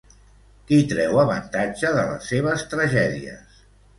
Qui treu avantatge de les seves tragèdies?